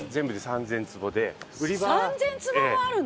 ３０００坪もあるの？